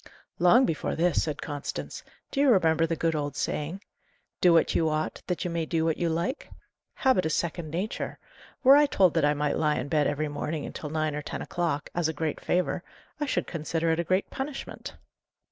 "Long before this," said Constance. "Do you remember the good old saying, 'Do what you ought, that you may do what you like'? Habit is second nature. Were I told that I might lie in bed every morning until nine or ten o'clock, as a great favour, I should consider it a great punishment."